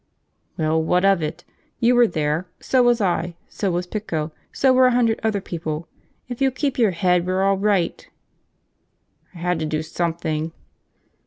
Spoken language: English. "Well, what of it? You were there. So was I. So was Pico. So were a hundred other people. If you keep your head, we're all right." "I had to do something!"